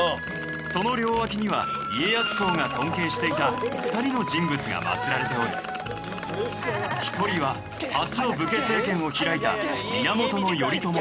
その両脇には家康公が尊敬していた２人の人物が祀られており一人は初の武家政権を開いた源頼朝公。